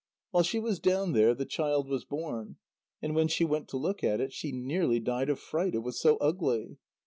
While she was down there, the child was born. And when she went to look at it, she nearly died of fright, it was so ugly.